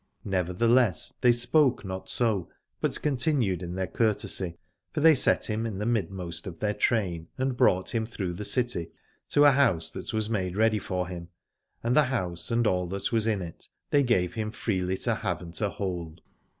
Nevertheless they spoke not so but continued in their courtesy : for they set him in the midmost of their train and brought him through the city to a house that was made ready for him, and the house and all that was in it they gave him freely to have and to hold.